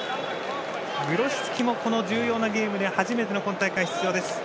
グロシツキも重要なゲームで初めての今大会出場です。